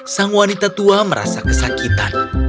sang wanita tua merasa kesakitan